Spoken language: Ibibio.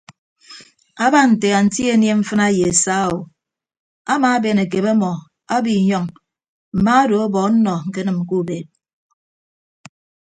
Aba nte anti anie mfịna ye saa o amaaben akebe ọmọ abiinyọñ mma odo ọbọ ọnnọ ñkenịm ke ubeed.